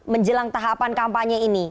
menjelang tahapan kampanye ini